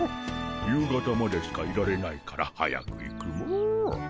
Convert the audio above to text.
夕方までしかいられないから早く行くモ。